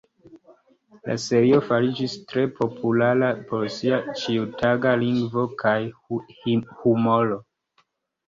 La serio fariĝis tre populara pro sia ĉiutaga lingvo kaj humoro.